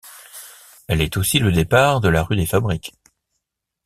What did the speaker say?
Elle est aussi le départ de la rue des Fabriques.